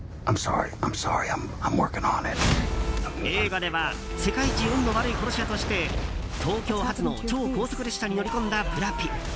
映画では世界一運の悪い殺し屋として東京発の超高速列車に乗り込んだブラピ。